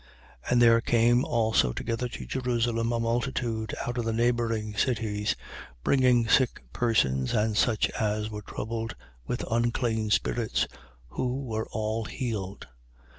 5:16. And there came also together to Jerusalem a multitude out of the neighbouring cities, bringing sick persons and such as were troubled with unclean spirits: who were all healed.